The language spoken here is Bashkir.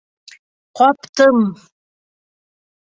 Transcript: Ҡаптым!..